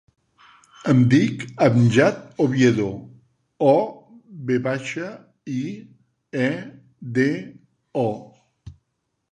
Em dic Amjad Oviedo: o, ve baixa, i, e, de, o.